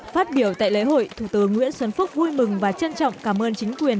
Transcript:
phát biểu tại lễ hội thủ tướng nguyễn xuân phúc vui mừng và trân trọng cảm ơn chính quyền